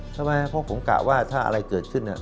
ทำไมนะเพราะผมกะว่าถ้าอะไรเกิดขึ้น